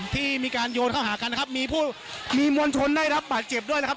ที่มีการโยนเข้าหากันนะครับมีผู้มีมวลชนได้รับบาดเจ็บด้วยนะครับ